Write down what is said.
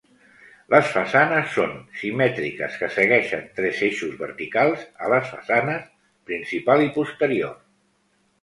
Les façanes són simètriques que segueixen tres eixos verticals a les façanes principal i posterior.